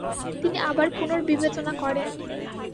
তিনি আবার পুনর্বিবেচনা করেন।